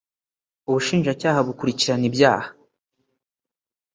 Ubushinjacyaha bukurikirana ibyaha